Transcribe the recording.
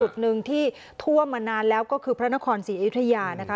จุดหนึ่งที่ท่วมมานานแล้วก็คือพระนครศรีอยุธยานะคะ